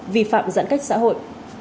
vi phạm giãn cách xã hội